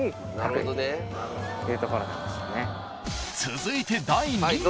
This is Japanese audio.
［続いて第２位］